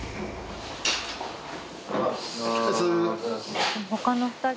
おはようございます。